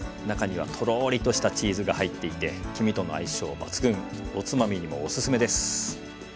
中にはとろりとしたチーズが入っていて黄身との相性抜群おつまみにもおすすめです。